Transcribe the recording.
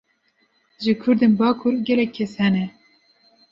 Ji Kurdên bakur, gelek kes hene